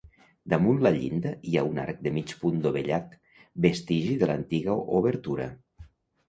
Damunt la llinda hi ha un arc de mig punt dovellat, vestigi de l'antiga obertura.